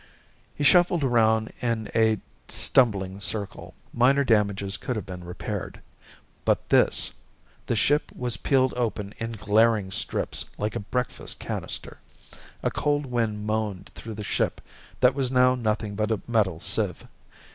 He shuffled around in a stumbling circle. Minor damages could have been repaired. But this the ship was peeled open in glaring strips like a breakfast cannister. A cold wind moaned through the ship that was now nothing but a metal sieve.